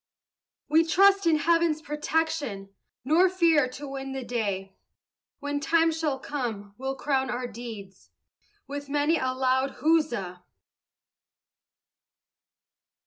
We trust in Heaven's protection, Nor fear to win the day; When time shall come we'll crown our deeds With many a loud huzza!